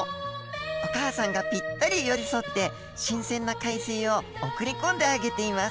お母さんがぴったり寄り添って新鮮な海水を送り込んであげています